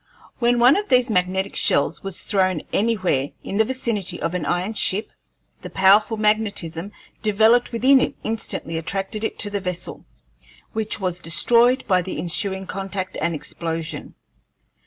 When one of these magnetic shells was thrown anywhere in the vicinity of an iron ship, the powerful magnetism developed within it instantly attracted it to the vessel, which was destroyed by the ensuing contact and explosion.